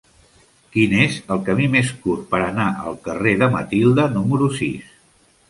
Quin és el camí més curt per anar al carrer de Matilde número sis?